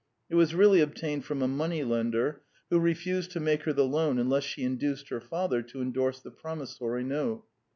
It was really obtained from a moneylender, who refused to make her the loan unless she induced her father to endorse the promissory note.